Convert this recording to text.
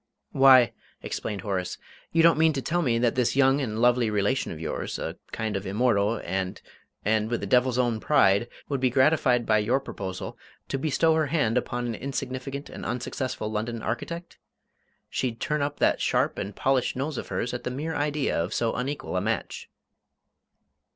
"Why," explained Horace, "you don't mean to tell me that this young and lovely relation of yours, a kind of immortal, and and with the devil's own pride, would be gratified by your proposal to bestow her hand upon an insignificant and unsuccessful London architect? She'd turn up that sharp and polished nose of hers at the mere idea of so unequal a match!"